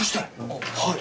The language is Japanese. あっはい。